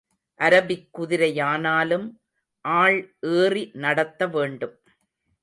Arabic குதிரையானாலும் ஆள் ஏறி நடத்த வேண்டும்.